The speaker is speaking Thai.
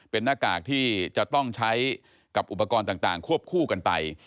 เป็นหน้ากากที่จะต้องใช้กับอุปกรณ์ต่างควบคู่กันไป